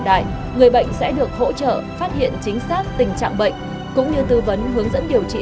đại người bệnh sẽ được hỗ trợ phát hiện chính xác tình trạng bệnh cũng như tư vấn hướng dẫn điều trị